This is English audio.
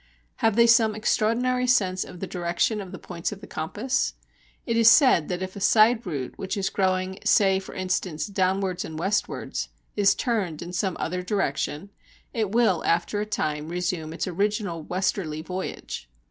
Have they some extraordinary sense of the direction of the points of the compass? It is said that if a side root, which is growing, say for instance downwards and westwards, is turned in some other direction, it will after a time resume its original westerly voyage.